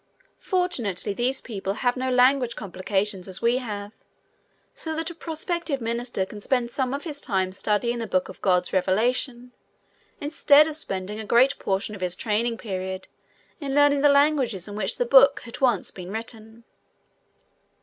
Fortunately, these people have no language complications as we have, so that a prospective minister can spend some of his time studying the Book of God's Revelation instead of spending a great portion of his training period in learning the languages in which the book had once been written.